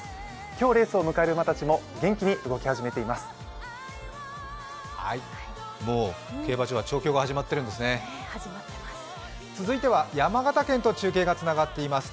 今日レースを迎える馬たちも元気に動き始めています。